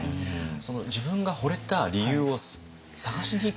その自分がほれた理由を探しにいく？